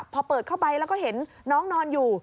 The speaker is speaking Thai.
พอเปิดเข้าไปแล้วก็เห็นน้องนอนอยู่